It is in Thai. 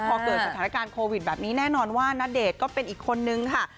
พอเกิดสถานการณ์โควิดแบบนี้แน่นอนว่าณเดชน์ก็เป็นอีกคนนึงค่ะ